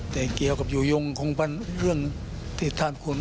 แต่เกี่ยวกับอยู่ยงของบ้านเรื่องที่ท่านควร